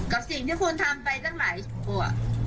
กับสิ่งที่คุณทำไปตั้งหลายตัว